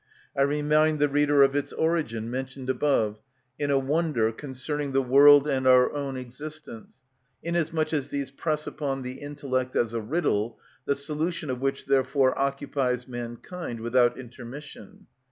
I remind the reader of its origin, mentioned above, in a wonder concerning the world and our own existence, inasmuch as these press upon the intellect as a riddle, the solution of which therefore occupies mankind without intermission.